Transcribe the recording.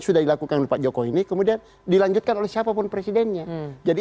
sudah dilakukan pak jokowi ini kemudian dilanjutkan oleh siapapun presidennya jadi